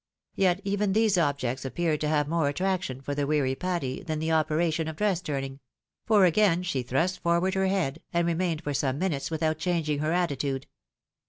Yet even these objects appeared to have more attraction for the weary Patty, than the operation of dress turning ; for again she thurst forward her head, and remained for some minutes without changing her attitude.